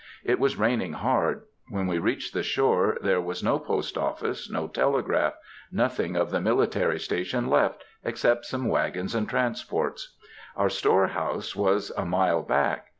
It was raining hard. When we reached the shore there was no post office, no telegraph,—nothing of the military station left, except some wagons and transports. Our storehouse was a mile back.